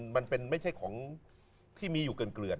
มันเป็นไม่ใช่ของที่มีอยู่เกลือน